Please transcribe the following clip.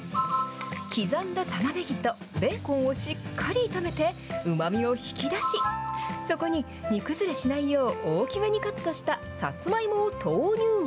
刻んだたまねぎとベーコンをしっかり炒めて、うまみを引き出し、そこに煮崩れしないよう大きめにカットしたさつまいもを投入。